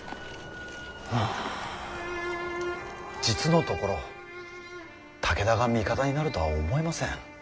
実のところ武田が味方になるとは思えません。